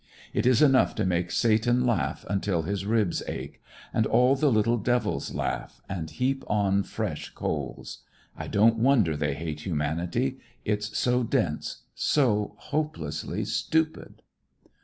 It is enough to make Satan laugh until his ribs ache, and all the little devils laugh and heap on fresh coals. I don't wonder they hate humanity. It's so dense, so hopelessly stupid.